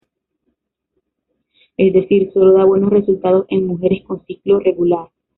Es decir, solo da buenos resultados en mujeres con ciclo regular.